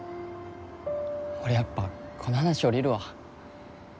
俺やっぱこの話降りるわ。